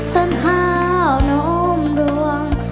ต้นพร้าวนมดวง